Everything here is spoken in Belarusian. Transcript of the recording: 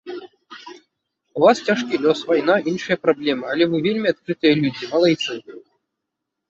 У вас цяжкі лёс, вайна, іншыя праблемы, але вы вельмі адкрытыя людзі, малайцы.